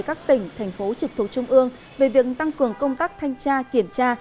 các tỉnh thành phố trực thuộc trung ương về việc tăng cường công tác thanh tra kiểm tra